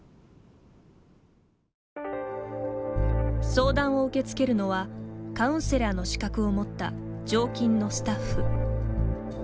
相談を受け付けるのはカウンセラーの資格を持った常勤のスタッフ。